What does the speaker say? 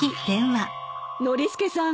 ノリスケさん